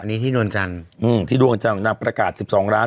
อันนี้ที่นวลจันทร์อืมที่นวลจันทร์นางประกาศสิบสองร้าน